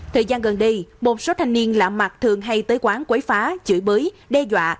thời gian gần đây một số thanh niên lạ mặt thường hay tới quán quấy phá chửi bới đe dọa